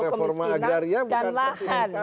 reform agraria bukan sertifikasi